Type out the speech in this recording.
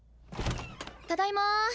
ただいま。